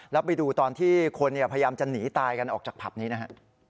แล้วไปดูตอนที่คนพยายามจะหนีตายกันออกจากผับนี้นะฮะ